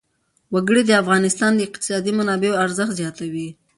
وګړي د افغانستان د اقتصادي منابعو ارزښت زیاتوي.